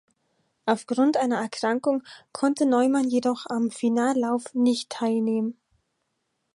Aufgrund einer Erkrankung konnte Neumann jedoch am Finallauf nicht teilnehmen.